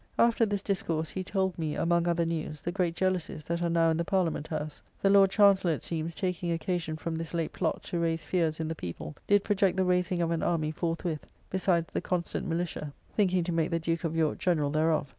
After this discourse he told me, among other news, the great jealousys that are now in the Parliament House. The Lord Chancellor, it seems, taking occasion from this late plot to raise fears in the people, did project the raising of an army forthwith, besides the constant militia, thinking to make the Duke of York General thereof.